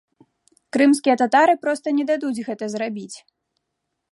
Крымскія татары проста не дадуць гэта зрабіць!